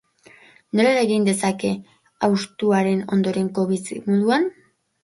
Nola eragin dezake hausturaren ondorengo bizimoduan?